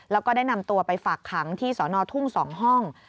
แล้วก็ได้นำตัวไปฝากขังที่สอนอทุ่ง๒ห้อง